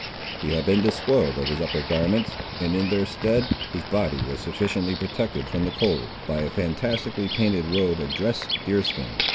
He had been despoiled of his upper garments, and, in their stead, his body was sufficiently protected from the cold, by a fantastically painted robe of dressed deer skin.